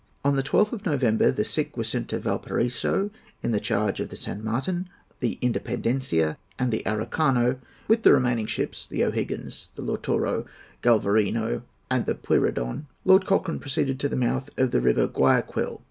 On the 21st of November the sick were sent to Valparaiso, in the charge of the San Martin, the Independencia, and the Araucano. With the remaining ships, the O'Higgins, the Lautaro, the Galvarino, and the Puyrredon, Lord Cochrane proceeded to the mouth of the River Guayaquil.